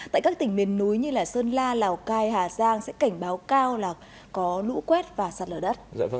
tại các tỉnh miền núi như sơn la lào cai hà giang sẽ cảnh báo cao là có lũ quét và sạt lở đất